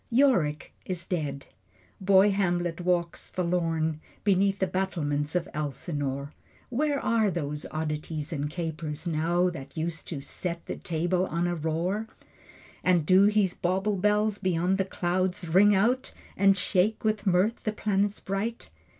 Yorick is dead. Boy Hamlet walks forlorn Beneath the battlements of Elsinore. Where are those oddities and capers now That used to "set the table on a roar"? And do his bauble bells beyond the clouds Ring out, and shake with mirth the planets bright?